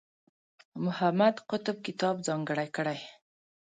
محمد قطب کتاب ځانګړی کړی.